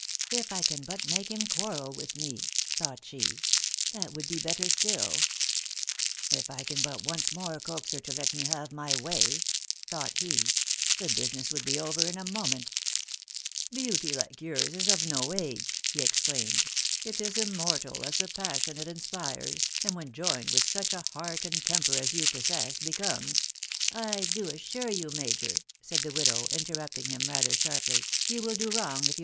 ... If I can but make him. quasrel with me," thought she, ..." that would he better still !"" If I can but once more coax her to let me have my way/' thought he, ...." the business would be over in a moment !"" IWauiy like yours is of no age !" he exclaimed ;" it is immortal as the passion it inspires, and when joined with such ■a heart and temper as you possess becomes ...." u I dttmmwi you* major," said the widow, interrupting him rather sharply ^....* you will do wrong if you.